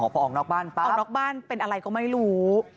พอออกนอกบ้านปั๊บออกนอกบ้านเป็นอะไรก็ไม่รู้